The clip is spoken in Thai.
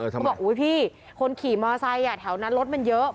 เขาบอกอุ๊ยพี่คนขี่มอไซค์แถวนั้นรถมันเยอะ